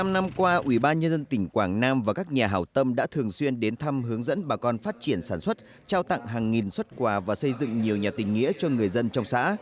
một mươi năm năm qua ủy ban nhân dân tỉnh quảng nam và các nhà hào tâm đã thường xuyên đến thăm hướng dẫn bà con phát triển sản xuất trao tặng hàng nghìn xuất quà và xây dựng nhiều nhà tình nghĩa cho người dân trong xã